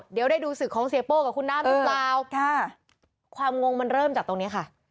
เดี๋ยวได้ดูศึกของเสียโป้กับคุณน้ำหรือเปล่าค่ะความงงมันเริ่มจากตรงนี้ค่ะ